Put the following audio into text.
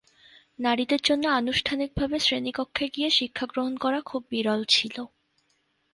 নারীদের জন্য আনুষ্ঠানিকভাবে শ্রেণীকক্ষে গিয়ে শিক্ষাগ্রহণ করা খুব বিরল ছিল।